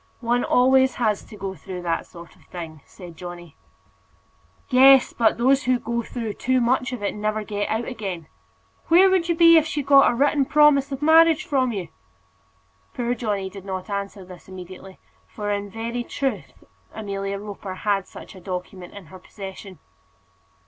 "One always has to go through that sort of thing," said Johnny. "Yes; but those who go through too much of it never get out again. Where would you be if she got a written promise of marriage from you?" Poor Johnny did not answer this immediately, for in very truth Amelia Roper had such a document in her possession.